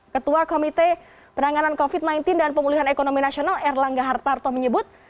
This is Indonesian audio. ketua komite penanganan covid sembilan belas dan pemulihan ekonomi nasional erlangga hartarto menyebut